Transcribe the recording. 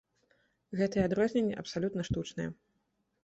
Гэтыя адрозненні абсалютна штучныя.